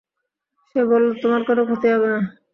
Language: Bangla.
সে বলল, তোমার কোন ক্ষতি হবে না।